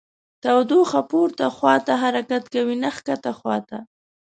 تودوخه پورته خواته حرکت کوي نه ښکته خواته.